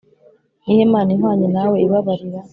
Ni iyihe mana ihwanye nawe ibabarira